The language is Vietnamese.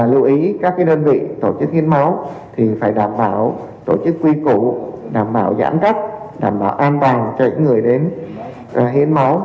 lưu ý các đơn vị tổ chức hiến máu thì phải đảm bảo tổ chức quy cụ đảm bảo giãn cách đảm bảo an toàn cho những người đến hiến máu